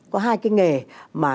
có hai cái nghề mà